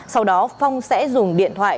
sau đó phong sẽ dùng điện thoại